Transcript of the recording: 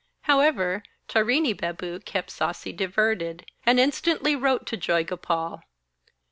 However, Tarini Babu kept Sasi diverted, and instantly wrote to Joygopal.